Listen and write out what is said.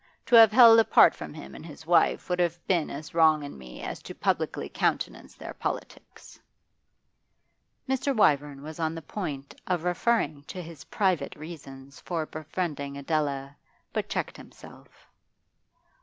To have held apart from him and his wife would have been as wrong in me as to publicly countenance their politics.' Mr. Wyvern was on the point of referring to his private reasons for befriending Adela, but checked himself.